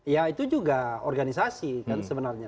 ya itu juga organisasi kan sebenarnya